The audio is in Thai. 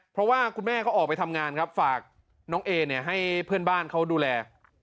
เพราะว่าคุณแม่เขาออกไปทำงานครับฝากน้องเอเนี่ยให้เพื่อนบ้านเขาดูแล